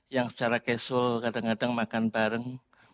yang secara casual kadang kadang makan bareng